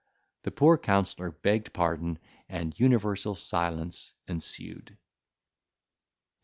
The poor counsellor begged pardon, and universal silence ensued.